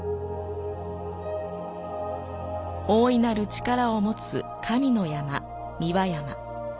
大いなる力を持つ神の山、三輪山。